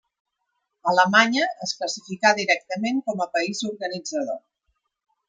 Alemanya es classificà directament com a país organitzador.